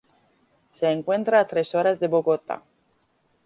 Se encuentra a tres horas de Bogotá.